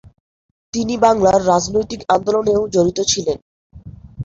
তিনি বাংলার রাজনৈতিক আন্দোলনেও জড়িত ছিলেন।